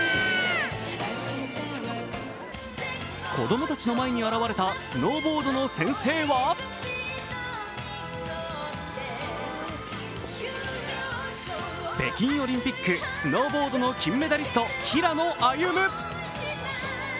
子供たちの前に現れたスノーボードの先生は北京オリンピック、スノーボードの金メダリスト、平野歩夢。